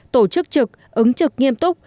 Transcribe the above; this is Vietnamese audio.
tổ chức trực ứng trực nghiêm túc